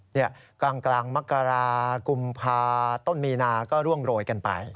กลางมกรากุมภาต้นมีนาก็ร่วงโรยกันไป